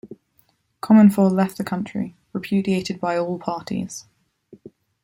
Comonfort left the country, repudiated by all parties.